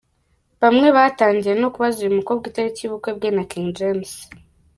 Bamwe batangiye no kubaza uyu mukobwa itariki y'ubukwe bwe na King James.